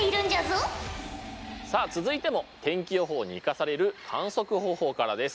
さあ続いても天気予報に生かされる観測方法からです。